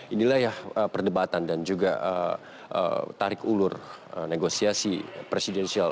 inilah ya perdebatan dan juga tarik ulur negosiasi presidensial